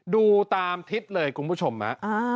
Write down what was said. ดูตามทิศเลยคุณผู้ชมฮะ